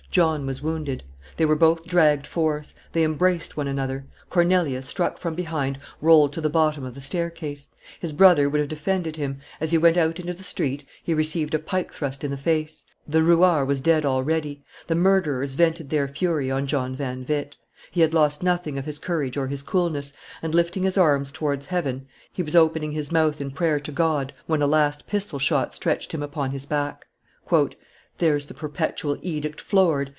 John was wounded. They were both dragged forth; they embraced one another; Cornelius, struck from behind, rolled to the bottom of the staircase; his brother would have defended him; as he went out into the street, he received a pike thrust in the face; the ruart was dead already; the murderers vented their fury on John van Witt; he had lost nothing of his courage or his coolness, and, lifting his arms towards heaven, he was opening his mouth in prayer to God, when a last pistol shot stretched him upon his back. "There's the perpetual edict floored!"